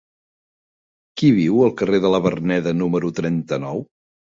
Qui viu al carrer de la Verneda número trenta-nou?